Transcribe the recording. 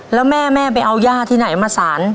แล้วแม่แม่ไปเอาย่าที่ไหนมาสาร